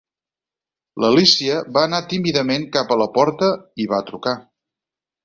L'Alícia va anar tímidament cap a la porta i va trucar.